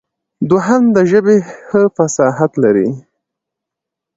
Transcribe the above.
دوهم د ژبې ښه فصاحت لري.